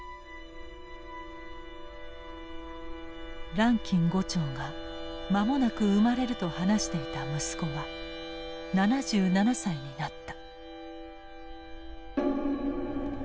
ランキン伍長が間もなく生まれると話していた息子は７７歳になった。